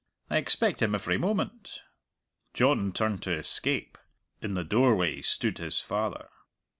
I expect him every moment." John turned to escape. In the doorway stood his father.